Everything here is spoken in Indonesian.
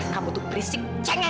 kamu tuh berisik